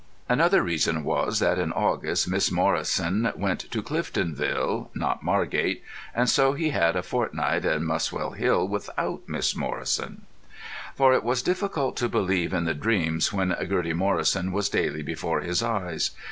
Another reason was that in August Miss Morrison went to Cliftonville (not Margate), and so he had a fortnight in Muswell Hill without Miss Morrison. For it was difficult to believe in the dreams when Gertie Morrison was daily before his eyes.